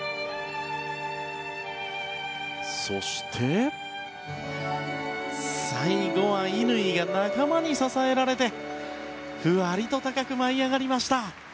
そして、最後は乾が仲間に支えられてふわりと高く舞い上がりました。